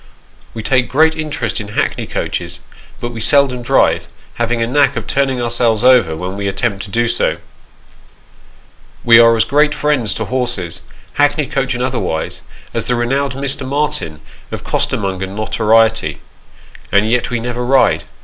We take great interest in hackney coaches, but we seldom Our Knowledge of our Subject. 6l drive, having a knack of turning ourselves over when wo attempt to do so. Wo are as great friends to horses, hackney coach and otherwise, as the renowned Mr. Martin, of costermonger notoriety, and yet we never ride.